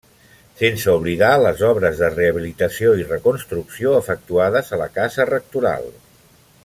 Sense oblidar les obres de rehabilitació i reconstrucció efectuades a la Casa rectoral.